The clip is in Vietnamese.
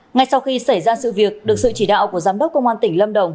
ngay sau khi xảy ra sự việc được sự chỉ đạo của giám đốc công an tỉnh lâm đồng